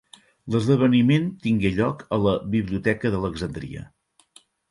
L'esdeveniment tingué lloc a la Biblioteca d'Alexandria.